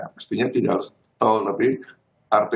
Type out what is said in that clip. mestinya tidak harus tol tapi artis